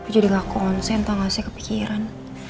jadi aku ngonsen tau ga sih kepikiran